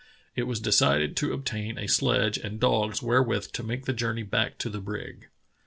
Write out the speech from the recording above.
It was decided to obtain a sledge and dogs wherewith to make the journe}^ back to the brig.